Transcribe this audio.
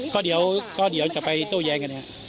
ก็เดี๋ยวจะไปโต้แย้งกันนะครับ